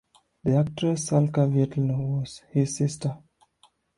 The actress Salka Viertel was his sister.